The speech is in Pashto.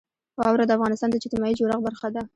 واوره د افغانستان د اجتماعي جوړښت برخه ده.